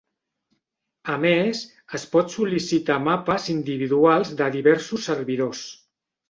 A més, es pot sol·licitar mapes individuals de diversos servidors.